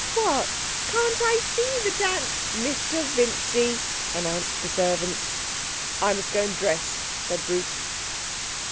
'What! Can't I see the da ' 'Mr Vincy,' announced the servant. 'I must go and dress,' said Bruce.